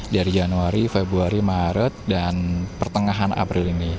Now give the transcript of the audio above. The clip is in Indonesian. dari januari februari maret dan pertengahan april ini